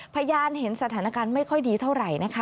พยานเห็นสถานการณ์ไม่ค่อยดีเท่าไหร่นะคะ